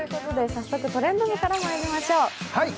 早速、「トレンド部」からまいりましょう。